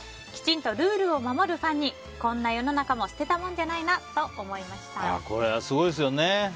きちんとルールを守るファンにこんな世の中も捨てたもんじゃないなとこれはすごいですよね。